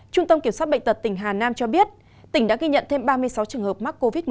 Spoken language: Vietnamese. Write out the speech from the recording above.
trung tâm kiểm soát bệnh tật tp hcm cho biết tỉnh đã ghi nhận thêm ba mươi sáu trường hợp mắc covid một mươi chín